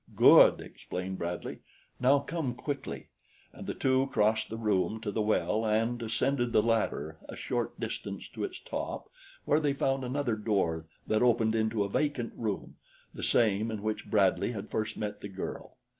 "Good!" exclaimed Bradley. "Now come, quickly." And the two crossed the room to the well and ascended the ladder a short distance to its top where they found another door that opened into a vacant room the same in which Bradley had first met the girl.